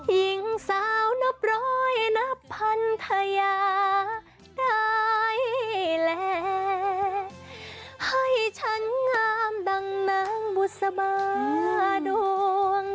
หญิงสาวนับร้อยนับพันธยาได้แล้วให้ฉันงามดังนางบุษบาดวง